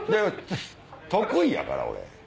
得意やから俺。